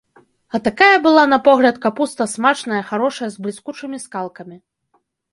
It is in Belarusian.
А такая была на погляд капуста смачная, харошая, з бліскучымі скалкамі.